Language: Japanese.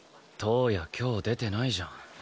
橙也今日出てないじゃん。